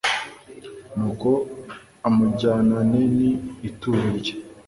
nuko amujyanane n ituro rye